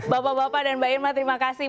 bapak bapak dan mbak irma terima kasih